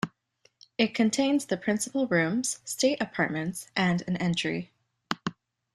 It contains the principal rooms, state apartments and an entry.